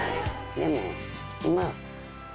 でも今。